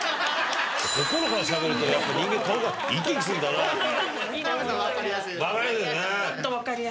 心からしゃべるとやっぱ人間顔が生き生きすんだ。